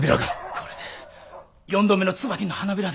これで４度目の椿の花びらです。